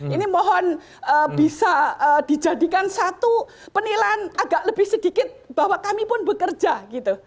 ini mohon bisa dijadikan satu penilaian agak lebih sedikit bahwa kami pun bekerja gitu